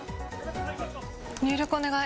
入力お願い。